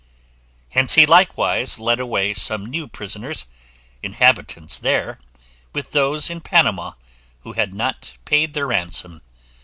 Hence he likewise led away some new prisoners, inhabitants there, with those in Panama, who had not paid their ransoms.